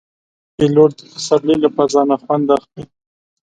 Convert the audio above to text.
پیلوټ د پسرلي له فضا نه خوند اخلي.